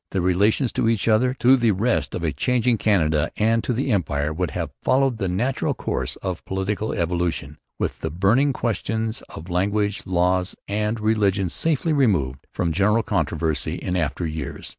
Their relations to each other, to the rest of a changing Canada, and to the Empire would have followed the natural course of political evolution, with the burning questions of language, laws, and religion safely removed from general controversy in after years.